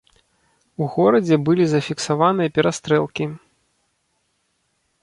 У горадзе былі зафіксаваныя перастрэлкі.